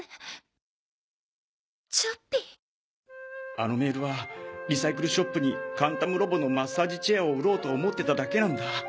あのメールはリサイクルショップにカンタムロボのマッサージチェアを売ろうと思ってただけなんだ。